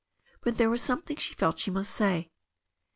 But there was something she felt she must say.